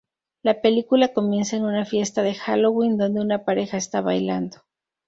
La película comienza en una fiesta de Halloween donde una pareja está bailando.